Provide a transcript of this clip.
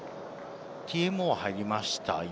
ＴＭＯが入りました。